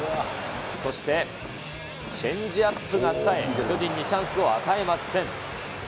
そして、チェンジアップがさえ、巨人にチャンスを与えません。